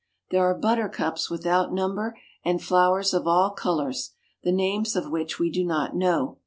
There are buttercups without number, and flowers of all colors, the names of which we do not know.